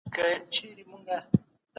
لويه جرګه د عدالت غوښتنه کوي.